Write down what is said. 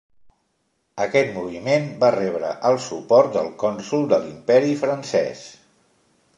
Aquest moviment va rebre el suport del cònsol de l'Imperi Francès.